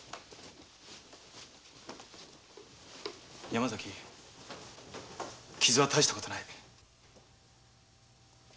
山崎傷は大した事はない。